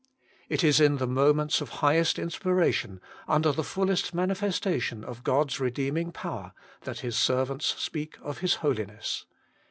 It is in the moments of highest inspiration, under the fullest manifestation of God's redeeming power, that His servants speak of His Holiness.